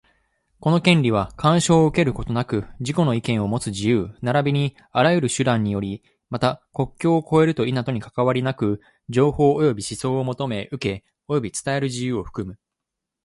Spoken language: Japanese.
この権利は、干渉を受けることなく自己の意見をもつ自由並びにあらゆる手段により、また、国境を越えると否とにかかわりなく、情報及び思想を求め、受け、及び伝える自由を含む。